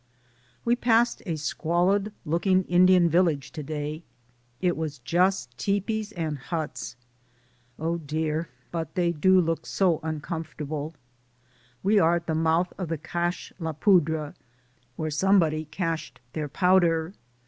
We passed a squalid looking Indian vil 132 DAYS ON THE ROAD. lage to day; it was just teepees and huts. Oh, dear, but they do look so uncomfortable. We are at the mouth of the Cache la Poudre — where somebody cached their powder.